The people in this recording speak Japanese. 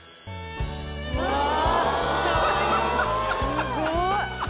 すごい。